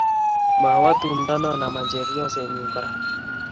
Mawe tumdo nok ama chepyosenyu kora